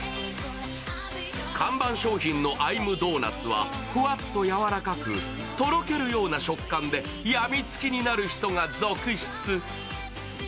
看板商品のＩ’ｍｄｏｎｕｔ？はふわっと柔らかく、とろけるような食感で病みつきになる人が続出。